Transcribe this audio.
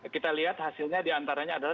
kita lihat hasilnya diantaranya adalah